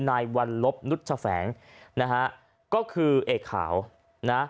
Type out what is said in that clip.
นายวันลบนุชแฝงนะฮะก็คือเอกขาวนะ